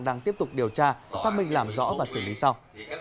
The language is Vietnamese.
đang tiếp tục điều tra xác minh làm rõ và xử lý sau